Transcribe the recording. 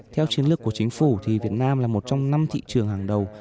theo chiến lược của chính phủ thì việt nam là một trong năm thị trường hàng đầu